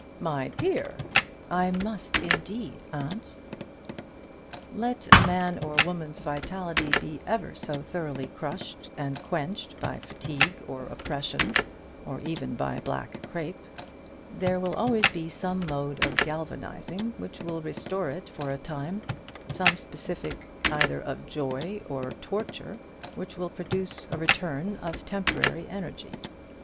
"My dear!" "I must, indeed, aunt." Let a man or a woman's vitality be ever so thoroughly crushed and quenched by fatigue or oppression or even by black crape there will always be some mode of galvanising which will restore it for a time, some specific either of joy or torture which will produce a return of temporary energy.